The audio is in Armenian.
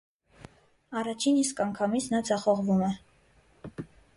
Առաջին իսկ անգամից նա ձախողվում է։